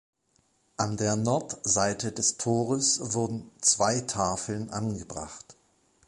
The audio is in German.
An der Nordseite des Tores wurden zwei Tafeln angebracht.